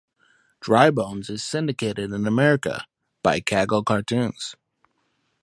Dry Bones is syndicated in America by Cagle Cartoons.